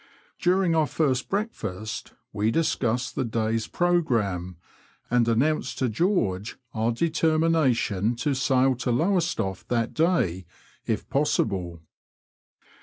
During our first breakfast we discussed the day's pro gramme, and announced to George our determination to sail to Lowestoft that day if possible.